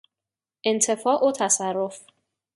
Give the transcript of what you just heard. انتفاع و تصرف